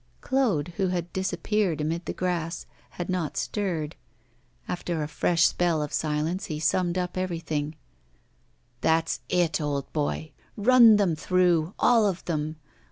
Claude, who had disappeared amid the grass, had not stirred. After a fresh spell of silence he summed up everything: 'That's it, old boy! Run them through, all of them.